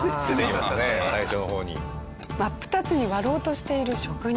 真っ二つに割ろうとしている職人。